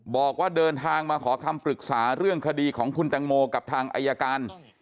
บอกว่าเดินทางมาขอคำปรึกษาเรื่องคดีของคุณตังโมกับทางอายการ